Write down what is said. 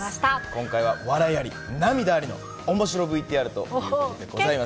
今回は笑いあり、涙ありのおもしろＶＴＲということでございます。